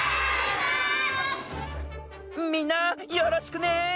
みんなよろしくね！